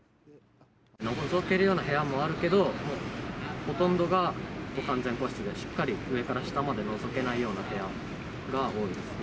のぞけるような部屋もあるけど、ほとんどが、完全個室でしっかり上から下までのぞけないような部屋が多いですね。